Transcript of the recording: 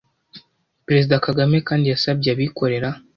Perezida Kagame kandi yasabye abikorera